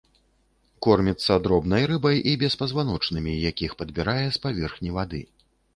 Корміцца дробнай рыбай і беспазваночнымі, якіх падбірае з паверхні вады.